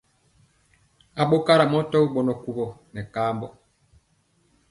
Aɓokarɔ mɔ tɔgi ɓɔnɔ kuwɔ nɛ kaambɔ.